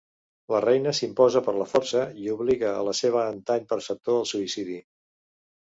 La reina s'imposa per la força i obliga a la seva antany preceptor al suïcidi.